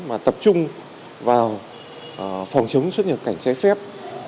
mà tập trung vào phòng chống xuất nhập cảnh trái phép